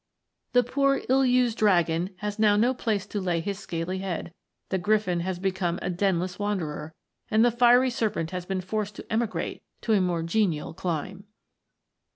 The poor ill used Dragon has now no place to lay his scaly head, the Griffin has become a denless wanderer, and the Fiery Serpent has been forced to emigrate to a more genial clime